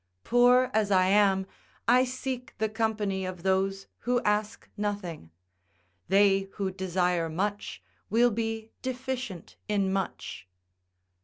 Poor as I am, I seek the company of those who ask nothing; they who desire much will be deficient in much."